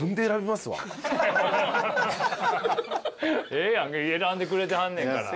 ええやん選んでくれてはんねんから。